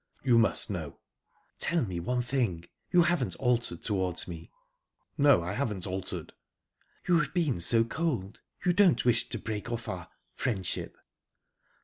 "You must know." "Tell me one thing you haven't altered towards me?" "No, I haven't altered." "You have been so cold. You don't wish to break off our... friendship?"